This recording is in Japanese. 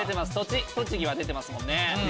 栃木は出てますもんね。